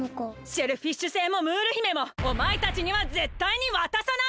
シェルフィッシュ星もムール姫もおまえたちにはぜったいにわたさない！